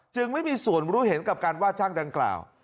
ไม่มีส่วนรู้เห็นกับการว่าช่างดังกล่าว